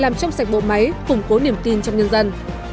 làm trong sạch bộ máy củng cố niềm tin trong nhân dân